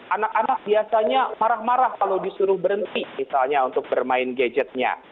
anak anak biasanya marah marah kalau disuruh berhenti misalnya untuk bermain gadgetnya